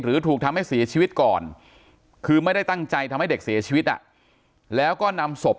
ถูกทำให้เสียชีวิตก่อนคือไม่ได้ตั้งใจทำให้เด็กเสียชีวิตแล้วก็นำศพ